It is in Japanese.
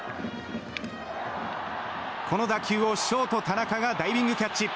この打球をショートの田中がダイビングキャッチ。